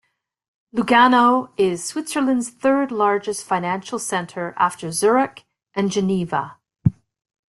Lugano is Switzerland's third largest financial center after Zurich and Geneva.